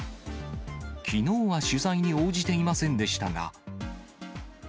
きのうは取材に応じていませんでしたが。